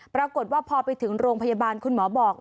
ปรากฏว่าพอไปถึงโรงพยาบาลคุณหมอบอก